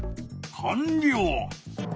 かんりょう！